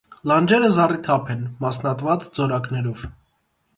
Լանջերը զառիթափ են՝ մասնատված ձորակներով։